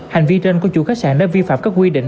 hành vi trên của chủ khách sạn đã vi phạm các quy định